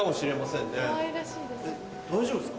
大丈夫ですか？